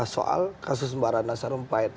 soal kasus mbak ratna sarumpait